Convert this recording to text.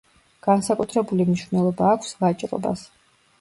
განსაკუთრებული მნიშვნელობა აქვს ვაჭრობას.